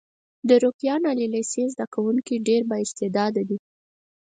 د روکيان عالي لیسې زده کوونکي ډېر با استعداده دي.